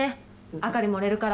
明かり漏れるから。